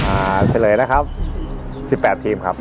อ่าเฉลยแล้วครับสิบแปดทีมครับ